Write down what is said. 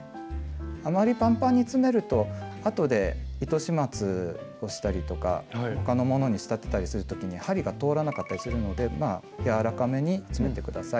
あまりパンパンに詰めるとあとで糸始末をしたりとか他のものに仕立てたりする時に針が通らなかったりするので柔らかめに詰めて下さい。